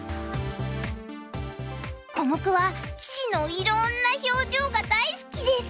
コモクは棋士のいろんな表情が大好きです。